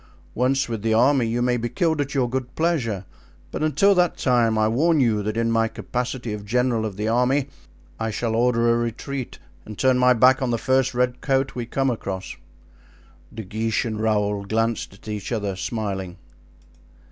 Once with the army you may be killed at your good pleasure; but until that time, I warn you that in my capacity of general of the army I shall order a retreat and turn my back on the first red coat we come across." De Guiche and Raoul glanced at each other, smiling.